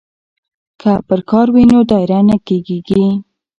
که پرکار وي نو دایره نه کږیږي.